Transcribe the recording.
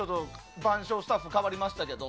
板書スタッフ変わりましたけど。